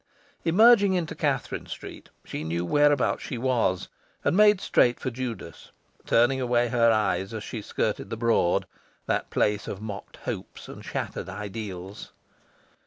Emerging into Catherine Street, she knew whereabouts she was, and made straight for Judas, turning away her eyes as she skirted the Broad, that place of mocked hopes and shattered ideals.